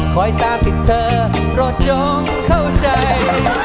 หอยตามติดเธอโรจงเข้าใจ